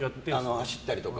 走ったりとか。